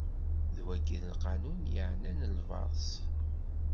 D wagi i d lqanun yeɛnan lberṣ.